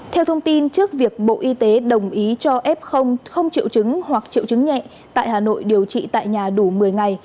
theo thông tin trước việc bộ y tế đồng ý cho f không triệu chứng hoặc triệu chứng nhẹ tại hà nội điều trị tại nhà đủ một mươi ngày